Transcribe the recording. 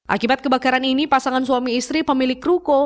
akibat kebakaran ini pasangan suami istri pemilik ruko